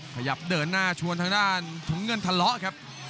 ขยับเดินหน้าชวนทางด้านถุงเงินทะเลาะครับ